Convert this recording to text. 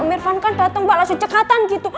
om irfan kan dateng mbak langsung cekatan gitu